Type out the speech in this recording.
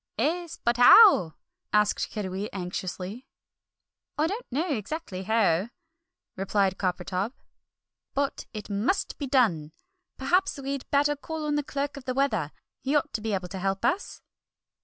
"'Es, but how?" asked Kiddiwee anxiously. "I don't know exactly how," replied Coppertop, "but it must be done! Perhaps we'd better call on the Clerk of the Weather, he ought to be able to help us!"